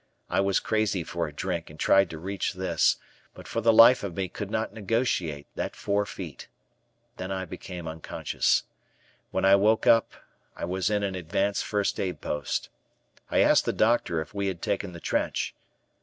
I was crazy for a drink and tried to reach this, but for the life of me could not negotiate that four feet. Then I became unconscious. When I woke up I was in an advanced first aid post. I asked the doctor if we had taken the trench.